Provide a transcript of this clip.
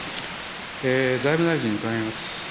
財務大臣に伺います。